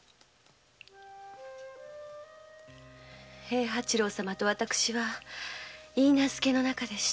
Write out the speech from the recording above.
平八郎様と私はいいなずけの仲でした。